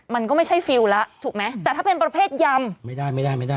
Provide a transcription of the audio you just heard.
มันก็ไม่ใช่ฟิลล์แล้วถูกไหมแต่ถ้าเป็นประเภทยำไม่ได้ไม่ได้